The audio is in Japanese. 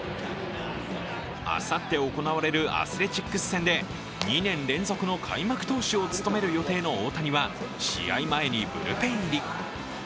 あさって行われるアスレチック戦で２年連続の開幕投手を務める予定の大谷は試合前にブルペン入り。